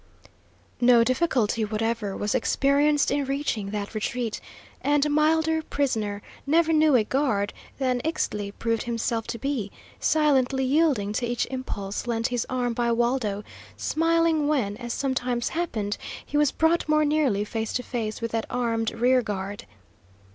No difficulty whatever was experienced in reaching that retreat, and milder prisoner never knew a guard than Ixtli proved himself to be, silently yielding to each impulse lent his arm by Waldo, smiling when, as sometimes happened, he was brought more nearly face to face with that armed rear guard.